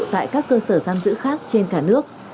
tại các cơ sở giam giữ khác trên cả nước